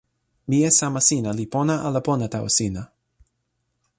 mije sama sina li pona ala pona tawa sina?